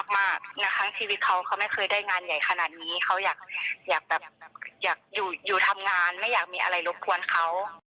เขาไม่เคยได้งานใหญ่ขนาดนี้เขาอยากอยู่ทำงานไม่อยากมีอะไรรบกวนเขา